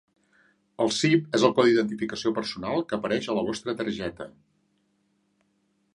El CIP és el codi d'identificació personal que apareix a la vostra targeta.